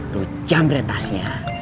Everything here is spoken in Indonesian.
lu jamret tasnya